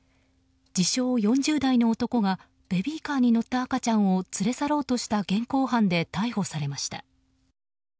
自称４０代の男がベビーカーに乗った赤ちゃんを連れ去ろうとした現行犯で逮捕されました。